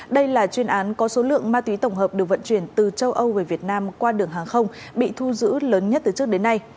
đây là chuyên án có số lượng ma túy tổng hợp được vận chuyển từ châu âu về việt nam qua đường hàng không bị thu giữ lớn nhất từ trước đến nay